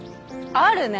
あるね